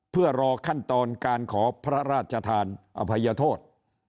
เพื่อรอขั้นตอนการขอพระราชทานอภัยโทษ